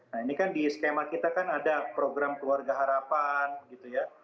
nah ini kan di skema kita kan ada program keluarga harapan gitu ya